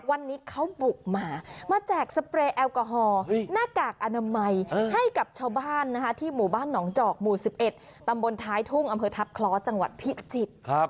วันนี้เขาบุกมามาแจกสเปรย์แอลกอฮอล์หน้ากากอนามัยให้กับชาวบ้านที่หมู่บ้านหนองจอกหมู่๑๑ตำบลท้ายทุ่งอำเภอทัพคล้อจังหวัดพิจิตร